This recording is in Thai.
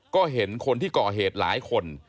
ก็เห็นคนที่ก่อเหตุหลายคน